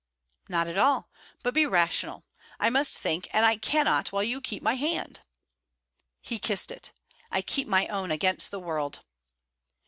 'Not at all. But be rational. I must think, and I cannot while you keep my hand.' He kissed it. 'I keep my own against the world.'